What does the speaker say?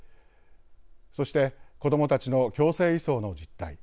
そして子どもたちの強制移送の実態。